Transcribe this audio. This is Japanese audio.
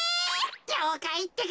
りょうかいってか！